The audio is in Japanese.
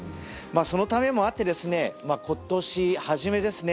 そのためもあって今年初めですね